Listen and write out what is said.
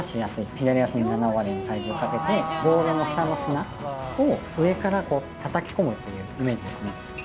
左足に７割体重をかけて、ボールの下の砂を上からたたき込むっていうイメージですね。